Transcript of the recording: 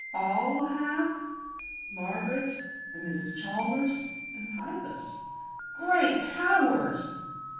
"All have!" "Margaret, and Mrs. Chalmers, and Pybus. "Great powers!"